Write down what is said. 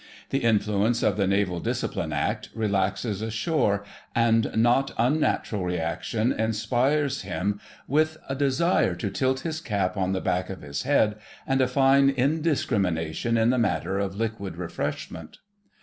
The influence of the Naval Discipline Act relaxes ashore, and not unnatural reaction inspires him with a desire to tilt his cap on the back of his head and a fine indiscrimination in the matter of liquid refreshment.